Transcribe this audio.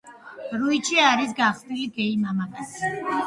როუდსი არის გახსნილი გეი მამაკაცი.